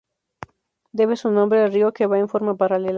Debe su nombre al río que va en forma paralela.